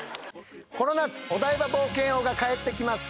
この夏お台場冒険王がかえってきます。